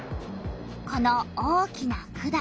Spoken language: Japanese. この大きな管。